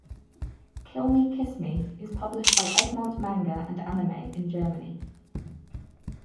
"Kill Me, Kiss Me" is published by Egmont Manga and Anime in Germany.